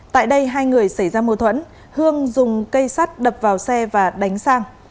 tại đây hai người xảy ra mô thuẫn hương dùng cây sắt đập vào xe và đánh sang